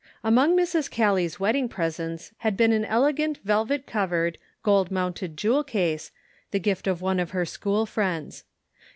Ants MONG Mrs. Callie's wedding presents had been an elegant velvet covered, gold mounted jewel case, the gift of one of her school friends.